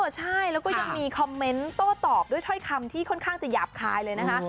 ใช่แล้วก็ยังมีคอมเมนต์โต้ตอบด้วยถ้อยคำที่ค่อนข้างจะหยาบคายเลยนะคะ